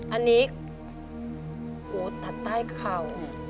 อันนี้โหตัดใต้เข่า